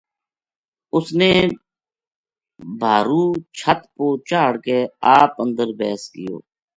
اس نے بھارُو چھت پو چاہڑھ کے آپ اندر بیس گیو